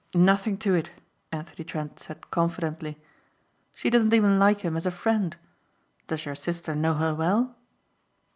"Nothing to it," Anthony Trent said confidently. "She doesn't even like him as a friend. Does your sister know her well?"